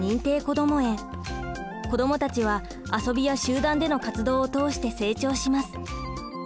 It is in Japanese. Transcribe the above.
子どもたちは遊びや集団での活動を通して成長します。